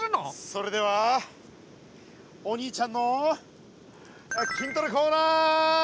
それではお兄ちゃんの筋トレコーナー！